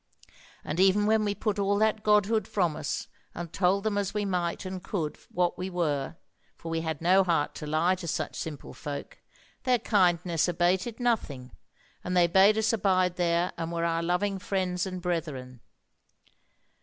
And even when we put all that Godhood from us, and told them as we might and could what we were (for we had no heart to lie to such simple folk), their kindness abated nothing, and they bade us abide there, and were our loving friends and brethren.